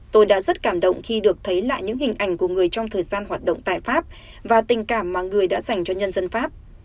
tôi đã rất cảm động khi được thấy lại những hình ảnh của người trong thời gian hoạt động tại pháp và tình cảm mà người đã dành cho nhân dân pháp